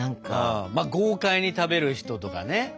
まあ豪快に食べる人とかね。